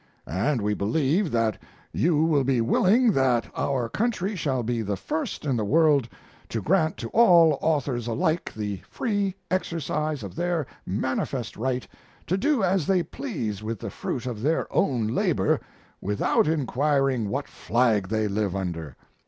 And we believe that you will be willing that our country shall be the first in the world to grant to all authors alike the free exercise of their manifest right to do as they please with the fruit of their own labor without inquiring what flag they live under.